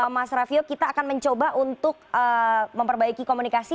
mas raffio kita akan mencoba untuk memperbaiki komunikasi